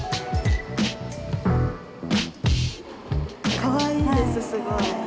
かわいいですすごい。